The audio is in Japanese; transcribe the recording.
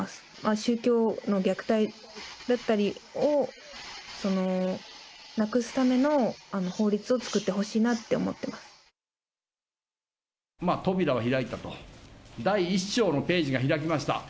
宗教の虐待だったりを、なくすための法律を作ってほしいなって思扉は開いたと、第１章のページが開きました。